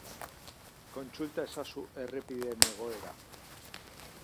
Kontsulta ezazu errepideen egoera.